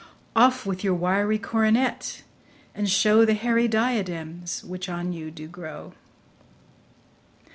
Off with your wiry coronet, and show The hairy diadems which on you do grow.